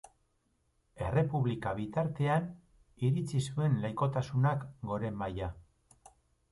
Errepublika bitartean iritsi zuen laikotasunak goren maila.